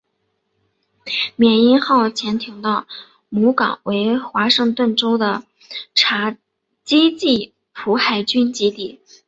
缅因号潜艇的母港为华盛顿州的基察普海军基地。